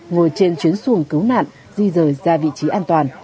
ngồi trên chuyến xuồng cứu nạn di rời ra vị trí an toàn